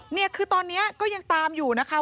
เนี่ยคือตอนนี้ก็ยังตามอยู่นะคะ